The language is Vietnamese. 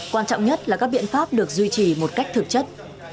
quan trọng nhất là các biện pháp được duy trì một cách thực chất